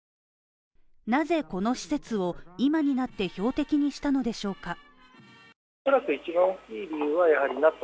なぜこの施設を、今になって標的にしたのでしょうか。